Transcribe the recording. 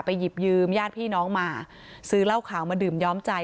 หยิบยืมญาติพี่น้องมาซื้อเหล้าขาวมาดื่มย้อมใจ